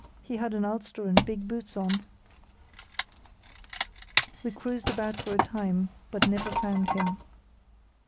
He had an ulster and big boots on." We cruised about for a time, but never found him.